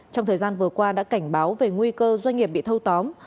trong thời gian vừa qua đã cảnh báo về nguy cơ doanh nghiệp bị thâu tóm